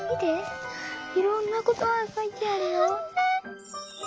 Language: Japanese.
いろんなことばがかいてあるよ。